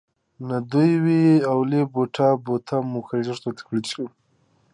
نه دوه وې اولې بوډا بوته منګلی نه و.